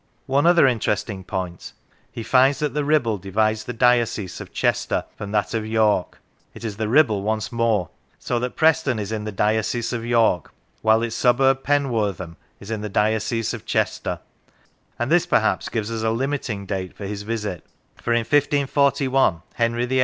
One other interesting point : he finds that the Kibble divides the diocese of Chester from that of York (it is the Kibble once more !), so that Preston is in the diocese of York, while its suburb Penwortham is in the diocese of Chester; and this perhaps gives us a limiting date for his visit, for in 1541 Henry VIII.